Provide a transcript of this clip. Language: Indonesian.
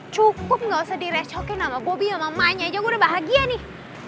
cukup gak usah direcokin sama bobi sama emaknya aja gue udah bahagia nih